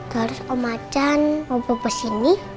terus omacan mau pebes sini